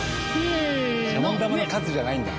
シャボン玉の数じゃないんだ。